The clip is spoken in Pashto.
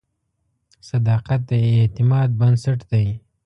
صداقت د اعتماد بنسټ دی.